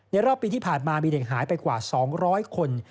รอบปีที่ผ่านมามีเด็กหายไปกว่า๒๐๐คน